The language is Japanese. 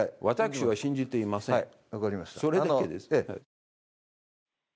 私は信じていません。